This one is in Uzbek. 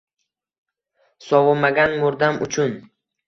Sovumagan murdam uchun